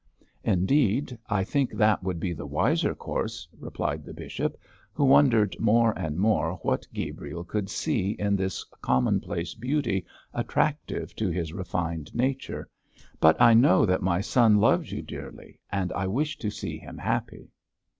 'Indeed, I think that would be the wiser course,' replied the bishop, who wondered more and more what Gabriel could see in this commonplace beauty attractive to his refined nature, 'but I know that my son loves you dearly, and I wish to see him happy.'